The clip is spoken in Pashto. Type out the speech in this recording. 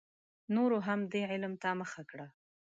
نورو هم دې علم ته مخه کړه.